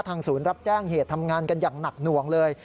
ศูนย์รับแจ้งเหตุทำงานกันอย่างหนักหน่วงเลย